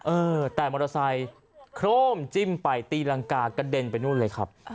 เออแต่มอเตอร์ไซค์โครมจิ้มไปตีรังกากระเด็นไปนู่นเลยครับ